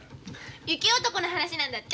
雪男の話なんだって。